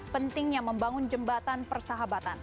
pentingnya membangun jembatan persahabatan